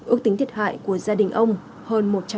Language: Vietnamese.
ước tính thiệt hại của gia đình ông hơn một trăm linh